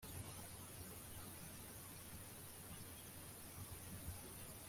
kandi ibibazo by akarengane ku bufatanye n inzego z ibanze